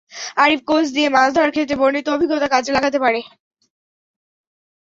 আরিফ কোঁচ দিয়ে মাছ ধরার ক্ষেত্রে বর্ণিত অভিজ্ঞতা কাজে লাগাতে পারে।